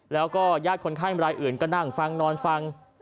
แล้วก็ญาติคนไข้รายอื่นก็นั่งฟังนอนฟัง